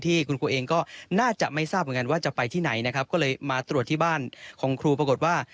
ที่คุณครูเองก็น่าจะไม่ทราบเหมือนกันว่าจะไปที่ไหนนะครับก็เลยมาตรวจที่บ้านของครูปรากฏว่า